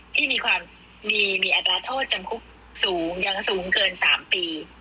ที่มีความดีมีอัตราโทษจำคุกสูงยังสูงเกิน๓ปี